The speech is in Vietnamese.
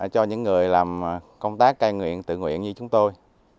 cho những người làm công tác cai nghiện tự nguyện như chúng tôi